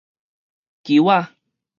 球仔